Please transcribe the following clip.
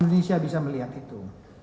indonesia bisa melihat itu